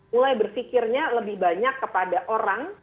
mulai berpikirnya lebih banyak kepada orang